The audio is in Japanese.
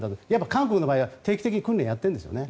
韓国の場合は定期的に訓練をやっているんですね。